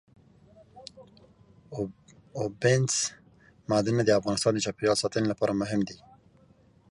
اوبزین معدنونه د افغانستان د چاپیریال ساتنې لپاره مهم دي.